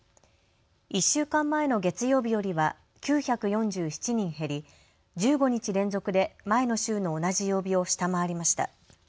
１週間前の月曜日よりは９４７人減り、１５日連続で前の週の同じ曜日を下回りました。